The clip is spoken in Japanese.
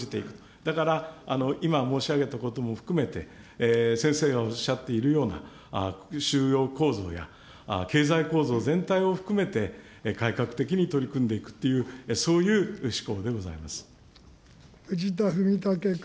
だから今申し上げたことも含めて、先生がおっしゃっているような、構造や、経済構造全体を含めて、改革的に取り組んでいくという、藤田文武君。